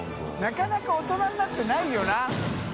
なかなか大人になってないよな。